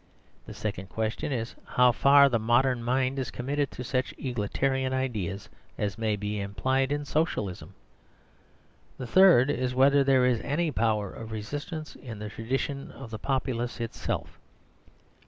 The second question is how far the modern mind is committed to such egalitarian ideas as may be implied in Socialism. The third is whether there is any power of resistance in the tradition of the populace itself.